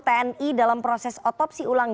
tni dalam proses otopsi ulang